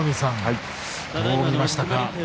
どう見ましたか？